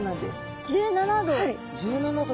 １７℃！